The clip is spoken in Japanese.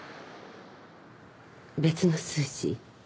別の数字？